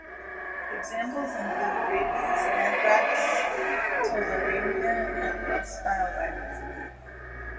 Examples include rabies, anthrax, tularemia and West Nile virus.